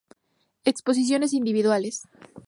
Exposiciones Individuales